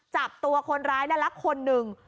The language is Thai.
จับตัวคนร้ายนักลักษณ์คนหนึ่ง